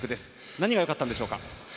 何がよかったんでしょうか？